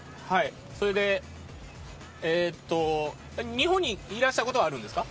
日本にいらしたことはあるんですか？